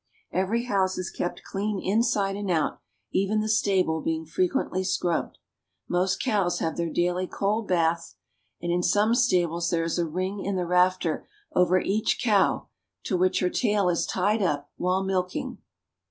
Every house is kept clean inside and out, even the stable being frequently scrubbed. Most cows have their daily cold bath, and in some stables there is a ring in the rafter over each cow to which her tail is tied up while milking.